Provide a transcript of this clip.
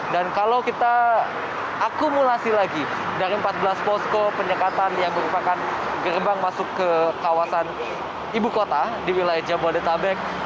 dan kalau kita akumulasi lagi dari empat belas posko penyekatan yang merupakan gerbang masuk ke kawasan ibu kota di wilayah jambonetabek